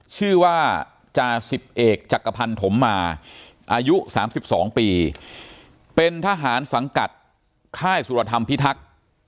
ชื่อว่าจาสิบเอกจักรพันธมมาอายุ๓๒ปีเป็นทหารสังกัดค่ายสุรธรรมพิทักษ์